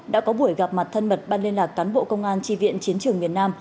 đã có buổi gặp mặt thân mật ban liên lạc cán bộ công an tri viện chiến trường miền nam